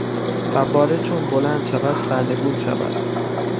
فواره چون بلند شود سرنگون شود.